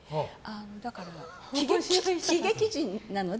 だから喜劇人なので。